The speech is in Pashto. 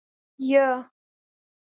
يه.